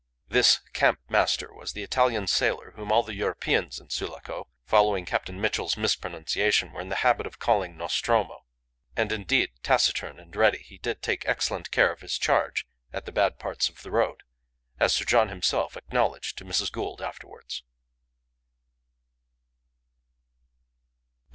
This camp master was the Italian sailor whom all the Europeans in Sulaco, following Captain Mitchell's mispronunciation, were in the habit of calling Nostromo. And indeed, taciturn and ready, he did take excellent care of his charge at the bad parts of the road, as Sir John himself acknowledged to Mrs. Gould afterwards.